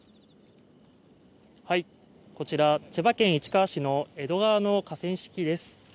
こちら、千葉県市川市の江戸川の河川敷です。